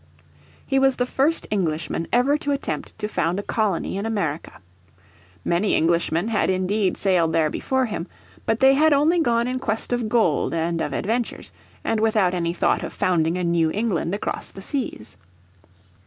He was the first Englishman ever to attempt to found a colony in America. Many Englishmen had indeed sailed there before him. But they had only gone in quest of gold and of adventures, and without any thought of founding a New England across the seas.